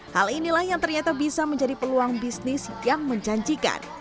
hal inilah yang ternyata bisa menjadi peluang bisnis yang menjanjikan